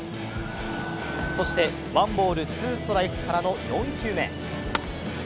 そしてワンボール・ツーストライクからの４球目。